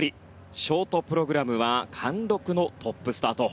ショートプログラムは貫禄のトップスタート。